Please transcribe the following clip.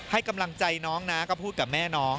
ให้กำลังใจน้องนะก็พูดกับแม่น้อง